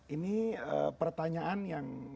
ini pertanyaan yang